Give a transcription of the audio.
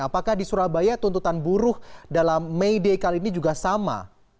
apakah di surabaya tuntutan buruh dalam may day kali ini juga sama